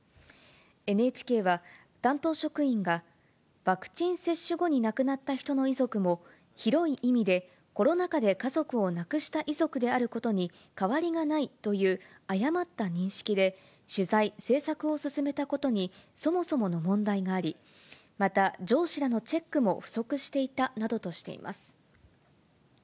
ＮＨＫは担当職員が、ワクチン接種後に亡くなった人の遺族も、広い意味でコロナ禍で家族を亡くした遺族であることに変わりがないという誤った認識で、取材・制作を進めたことにそもそもの問題があり、また、上司らのチェックも不足していたなどとしています。